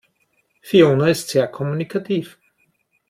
Fiona ist sehr kommunikativ.